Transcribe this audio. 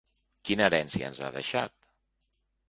Quina herència ens ha deixat?